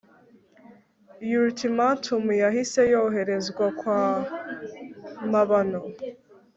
ultimatum yahise yoherezwa kwa mabano